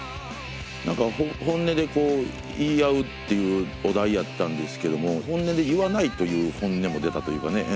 何か本音で言い合うというお題やったんですけども本音で言わないという本音も出たというかね。